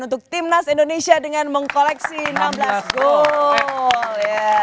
untuk timnas indonesia dengan mengkoleksi enam belas gol